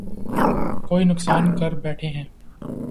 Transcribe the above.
کوئی نقصان کر بیٹھیں گے